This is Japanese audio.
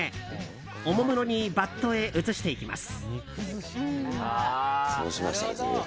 おもむろにバットへ移していきます。